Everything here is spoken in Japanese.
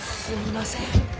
すみません。